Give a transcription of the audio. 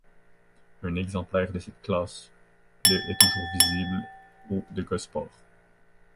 Un exemplaire de cette classe, le est toujours visible au de Gosport.